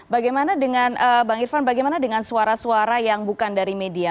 bagaimana dengan bang irvan bagaimana dengan suara suara yang bukan dari media